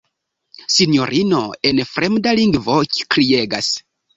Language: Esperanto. Sinjorino en fremda lingvo kriegas.